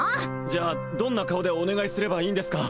じゃあどんな顔でお願いすればいいんですか？